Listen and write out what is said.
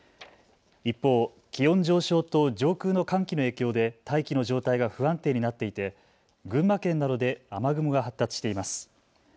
一方、気温上昇と上空の寒気の影響で大気の状態が不安定になっていて群馬県などで雨雲が発達しています。